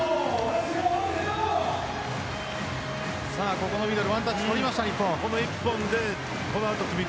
ここのミドルでワンタッチを取りました、日本。